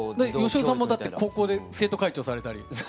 芳雄さんも高校で生徒会長されたり。